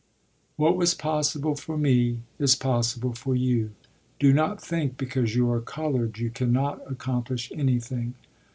"What was possible for me is possible for you. Do not think because you are colored you can not accomplish anything.